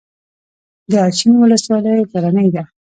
د اچین ولسوالۍ غرنۍ ده